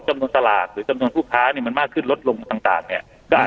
จำนวนตลาดหรือจำนวนผู้ค้าเนี่ยมันมากขึ้นลดลงต่างเนี่ย